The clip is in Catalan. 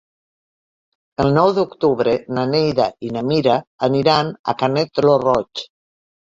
El nou d'octubre na Neida i na Mira aniran a Canet lo Roig.